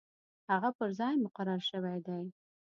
هغه پر ځای مقرر شوی دی.